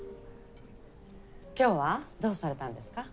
今日はどうされたんですか？